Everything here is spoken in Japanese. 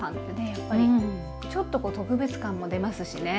やっぱりちょっとこう特別感も出ますしね。